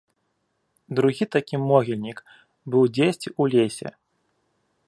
Другі такі могільнік быў дзесьці ў лесе.